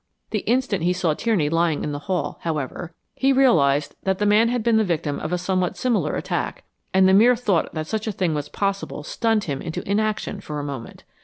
The instant he saw Tierney lying in the hall, however, he realized that the man had been the victim of a somewhat similar attack, and the mere thought that such a thing was possible stunned him into inaction for a moment.